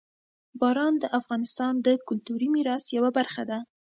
باران د افغانستان د کلتوري میراث یوه برخه ده.